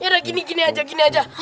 yaudah gini gini aja gini aja